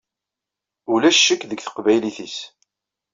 Ulac ccek deg teqbaylit-is.